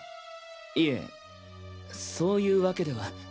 いえそういうわけでは。